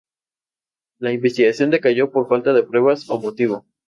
La investigación decayó por falta de pruebas o motivo.